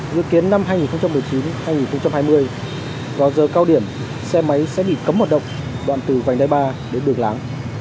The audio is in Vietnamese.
dự kiến năm hai nghìn một mươi chín hai nghìn hai mươi vào giờ cao điểm xe máy sẽ bị cấm hoạt động đoạn từ vành đai ba đến đường láng